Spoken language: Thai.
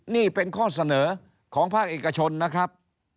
นี่เป็นข้อเสนอของภาคเอกชนนะครับ